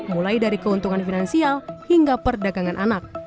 mulai dari keuntungan finansial hingga perdagangan anak